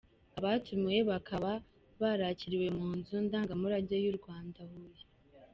Abatumiwe bakaba barakiririwe mu nzu ndangamurage y’u Rwanda i Huye.